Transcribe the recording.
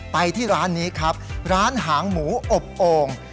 ไปที่ร้านนี้ครับร้านหางหมูอบโอ่ง